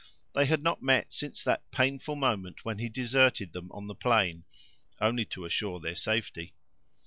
They had not met from that painful moment when he deserted them on the plain, only to assure their safety.